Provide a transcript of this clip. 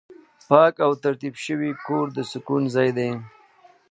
پاک او ترتیب شوی کور د سکون ځای دی.